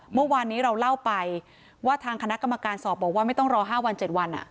เมื่อวานนี้เราเล่าไปว่าทางคณะกรรมการสอบบอกว่าไม่ต้องรอ๕วัน๗วัน